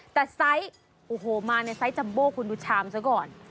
แต่ไซส์โอ้โหมาในไซส์จัมโบคุณดูชามซะก่อน